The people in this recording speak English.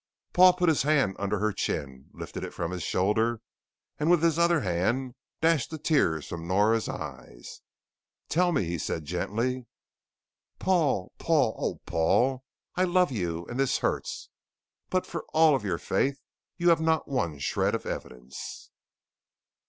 Paul put his hand under her chin, lifted it from his shoulder and with his other hand dashed the tears from Nora's eyes. "Tell me," he said gently. "Paul Paul Oh Paul, I love you and this hurts but for all of your faith, you have not one shred of evidence."